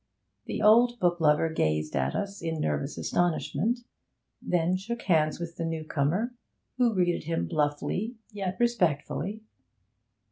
The old book lover gazed at us in nervous astonishment, then shook hands with the newcomer, who greeted him bluffly, yet respectfully.